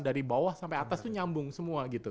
dari bawah sampai atas itu nyambung semua gitu